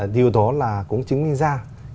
điều đó là cũng chứng minh ra